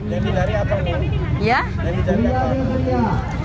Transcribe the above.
ini dari apa